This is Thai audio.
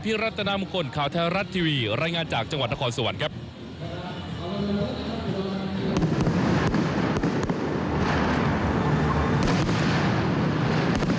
โปรดติดตามตอนต่อไป